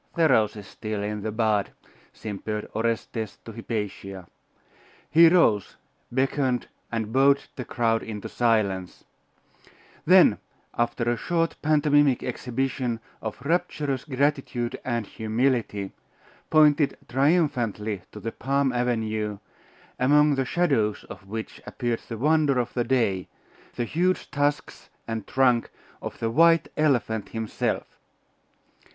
'The rose is still in the bud,' simpered Orestes to Hypatia. He rose, beckoned and bowed the crowd into silence; and then, after a short pantomimic exhibition of rapturous gratitude and humility, pointed triumphantly to the palm avenue, among the shadows of which appeared the wonder of the day the huge tusks and trunk of the white elephant himself.